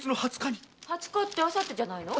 二十日ってあさってじゃないの？